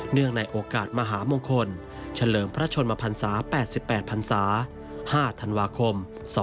เนื่องในโอกาสมหามงคลเฉลิมพระชนมภรรษา๘๘ภรรษา๕ธันวาคม๒๕๕๘